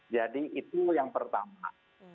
jadi itu yang pertama